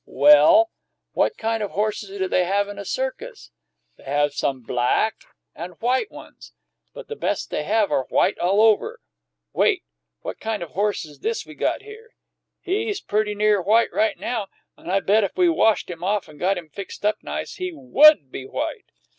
Well, what kind of horses do they have in a circus? They have some black and white ones, but the best they have are white all over. Well, what kind of a horse is this we got here? He's perty near white right now, and I bet if we washed him off and got him fixed up nice he would be white.